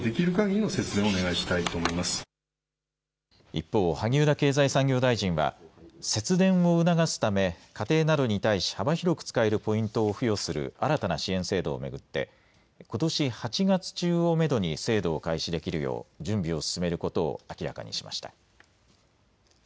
一方、萩生田経済産業大臣は節電を促すため家庭などに対し幅広く使えるポイントを付与する新たな支援制度を巡ってことし８月中をめどに制度を開始できるよう準備を進めることを明らかにしました。